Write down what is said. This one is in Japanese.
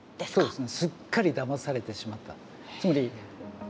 そうですね。